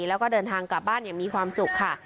แล้วก็เดินทางกลับบ้านอย่างมีความสุขค่ะ